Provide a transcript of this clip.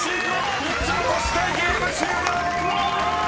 ［３つ残してゲーム終了！］